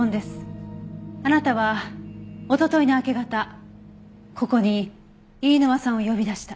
あなたはおとといの明け方ここに飯沼さんを呼び出した。